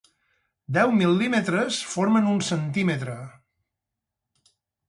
Deu mil·límetres formen un centímetre.